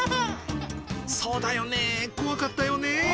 そうだよね、怖かったよね。